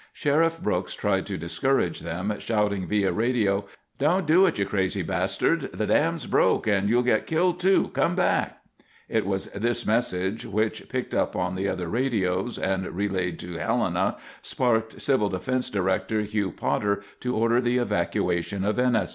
Sheriff Brooks tried to discourage them, shouting via radio—"Don't do it, you crazy bastards, the dam's broke, and you'll get killed too. Come back!" It was this message which, picked up on other radios, and relayed to Helena, sparked CD director Hugh Potter to order the evacuation of Ennis.